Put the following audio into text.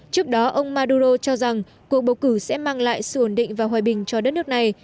trước đó ông maduro cho rằng cuộc bầu cử sẽ mang lại sự ổn định và hòa bình cho đất nước này